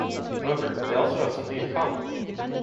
However, they also have something in common.